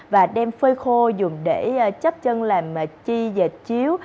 và đem phơi khô dùng để chấp chân làm chi dạ chiếu